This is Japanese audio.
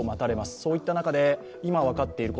そういった中で今分かっているこ